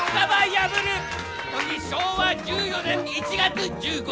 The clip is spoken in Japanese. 時昭和１４年１月１５日。